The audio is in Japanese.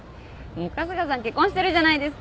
春日さん結婚してるじゃないですか！